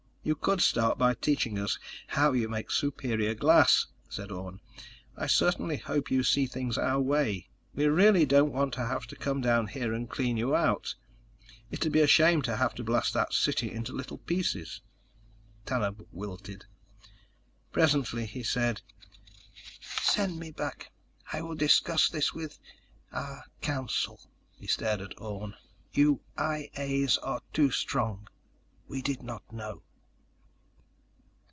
"You could start by teaching us how you make superior glass," said Orne. "I certainly hope you see things our way. We really don't want to have to come down there and clean you out. It'd be a shame to have to blast that city into little pieces." Tanub wilted. Presently, he said: "Send me back. I will discuss this with ... our council." He stared at Orne. "You I A's are too strong. We did not know."